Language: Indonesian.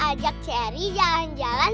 ajak ceri jalan jalan